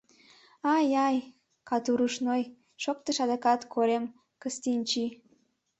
— Ай-ай, катурушной, — шоктыш адакат Корем Кыстинчи.